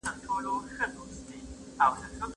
یوازې په هدف تمرکز مه کوئ.